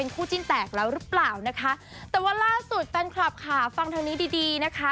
แฟนคลับค่ะฟังทางนี้ดีนะคะ